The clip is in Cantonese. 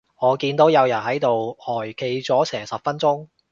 我見有人喺度呆企咗成十分鐘